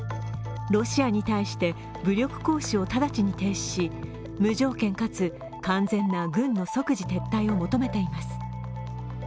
ロシアに対して武力行使を直ちに停止し無条件かつ完全な軍の即時撤退を求めています。